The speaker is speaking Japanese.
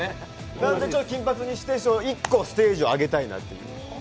なので、金髪にして、一個ステージを上げたいなと。